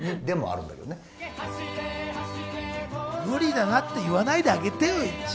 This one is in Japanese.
無理だなって言わないであげてよ。